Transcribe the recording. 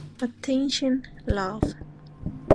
Attention, Love!